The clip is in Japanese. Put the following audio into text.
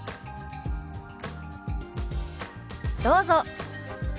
どうぞ。